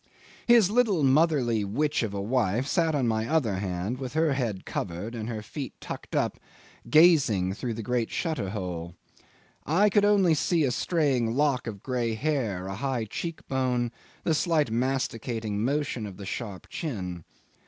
'His little, motherly witch of a wife sat on my other hand, with her head covered and her feet tucked up, gazing through the great shutter hole. I could only see a straying lock of grey hair, a high cheek bone, the slight masticating motion of the sharp chin.